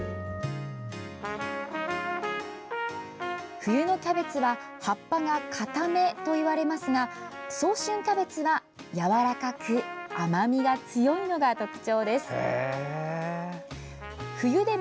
冬のキャベツは葉っぱがかためといわれますが早春キャベツは、やわらかく甘みが強いのが特徴です。